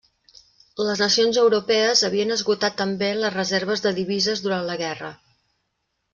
Les nacions europees havien esgotat també les reserves de divises durant la guerra.